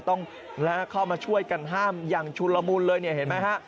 ต้องเข้ามาช่วยกันห้ามอย่างชุนละมุนเลยเนี่ยเห็นไหมฮะ